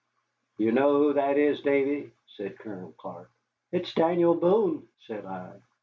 "Do you know who that is, Davy?" said Colonel Clark. "It's Mr. Daniel Boone," said I.